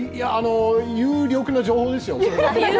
有力な情報ですよ。